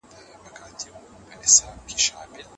علمي پلټنه باید تل په حقایقو ولاړه وي.